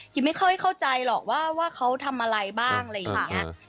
ไม่ค่อยเข้าใจหรอกว่าเขาทำอะไรบ้างอะไรอย่างนี้